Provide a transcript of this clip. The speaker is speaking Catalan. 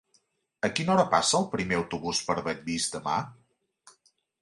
A quina hora passa el primer autobús per Bellvís demà?